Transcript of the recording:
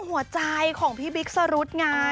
หัวใจของพี่บิ๊กสรุธไง